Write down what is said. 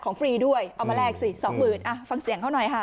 ฟรีด้วยเอามาแลกสิสองหมื่นอ่ะฟังเสียงเขาหน่อยค่ะ